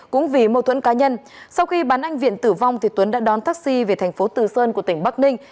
cũng vì mâu thuẫn cá nhân sau khi bắn anh viện tử vong tuấn đã đón taxi về thành phố từ sơn của tỉnh bắc ninh